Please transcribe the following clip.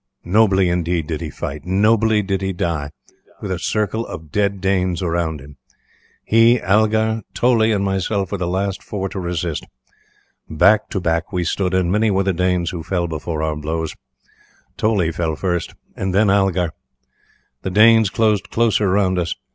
Nobly, indeed, did he fight; nobly did he die, with a circle of dead Danes around him. He, Algar, Toley, and myself were the last four to resist. Back to back we stood, and many were the Danes who fell before our blows. Toley fell first and then Algar. The Danes closed closer around us.